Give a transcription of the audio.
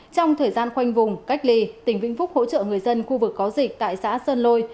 trong thời gian khoanh vùng cách ly tỉnh vĩnh phúc hỗ trợ người dân khu vực có dịch tại xã sơn lôi